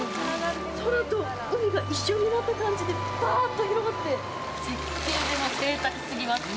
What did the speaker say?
空と海が一緒になった感じでばあっと広がって、絶景で、ぜいたく過ぎます。